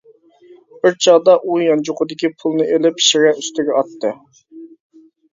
بىر چاغدا ئۇ يانچۇقىدىكى پۇلنى ئېلىپ شىرە ئۈستىگە ئاتتى.